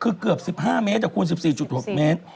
คือเกือบ๑๕เมตรคุณ๑๔๖เมตร